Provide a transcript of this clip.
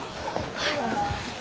はい！